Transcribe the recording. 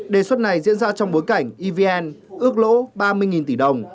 đề xuất này diễn ra trong bối cảnh evn ước lỗ ba mươi tỷ đồng